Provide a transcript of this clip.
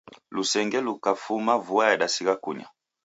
Lusenge lukafuma vua yadasigha kunya